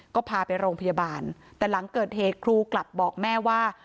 ก็พาไปโรงพยาบาลแต่หลังเกิดเหตุครูกลับบอกแม่ว่า